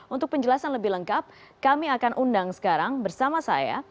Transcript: untuk penjelasan lebih lengkap kami akan undang sekarang bersama saya